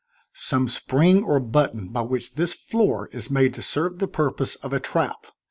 "Some spring or button by which this floor is made to serve the purpose of a trap.